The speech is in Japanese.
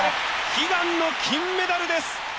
悲願の金メダルです！